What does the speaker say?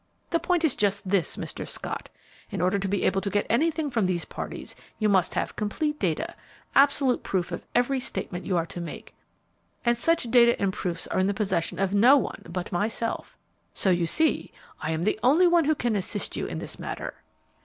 The point is just this, Mr. Scott: in order to be able to get anything from these parties you must have complete data, absolute proof of every statement you are to make; and such data and proofs are in the possession of no one but myself. So you see I am the only one who can assist you in this matter."